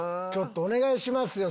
お願いしますよ